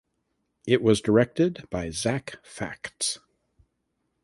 It was directed by Zac Facts.